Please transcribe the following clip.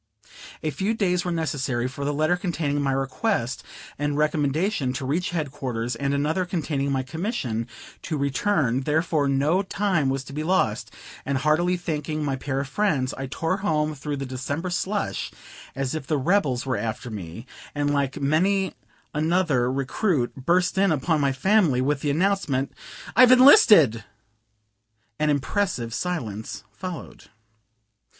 A few days were necessary for the letter containing my request and recommendation to reach headquarters, and another, containing my commission, to return; therefore no time was to be lost; and heartily thanking my pair of friends, I tore home through the December slush as if the rebels were after me, and like many another recruit, burst in upon my family with the announcement "I've enlisted!" An impressive silence followed.